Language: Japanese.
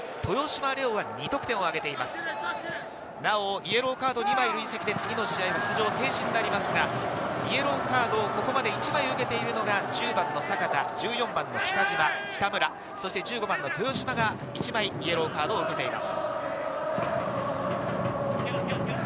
イエローカード２枚累積で次の試合、出場停止になりますが、イエローカードをここまで１枚受けているのが１０番の阪田、１４番の北村、１５番の豊嶋が１枚、イエローカードを受けています。